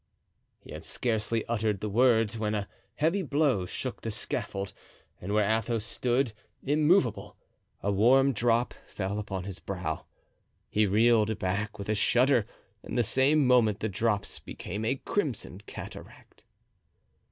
He had scarcely uttered the word when a heavy blow shook the scaffold and where Athos stood immovable a warm drop fell upon his brow. He reeled back with a shudder and the same moment the drops became a crimson cataract.